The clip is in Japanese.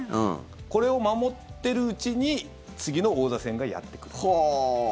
これを守ってるうちに次の王座戦がやってくる。